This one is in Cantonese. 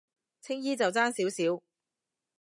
青衣就爭少少